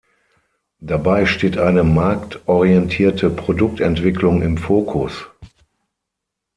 Dabei steht eine marktorientierte Produktentwicklung im Fokus.